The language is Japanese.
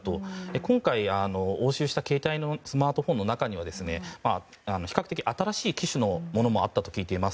今回、押収した携帯やスマートフォンの中には比較的新しい機種もあったと聞いています。